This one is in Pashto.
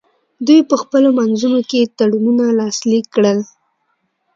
دوی په خپلو منځونو کې تړونونه لاسلیک کړل